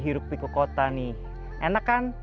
hirup piku kota nih enak kan